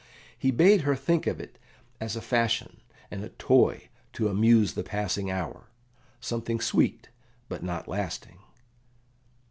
He bade her think of it as a fashion and a toy to amuse the passing hour something sweet, but not lasting.